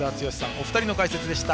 お二人の解説でした。